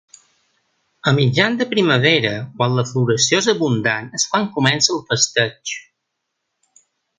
A mitjans de primavera, quan la floració és abundant, és quan comença el festeig.